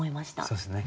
そうですね。